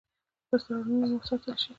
لاسته راوړنې مو وساتل شي.